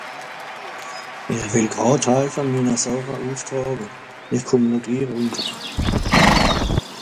Ìch wìll gràd helfe, mini Sàche nùff traawe, ìch kùmm no glich eràb.